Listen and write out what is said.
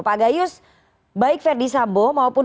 pak gayus baik verdi sambo maupun